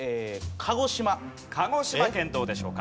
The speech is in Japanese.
鹿児島県どうでしょうか？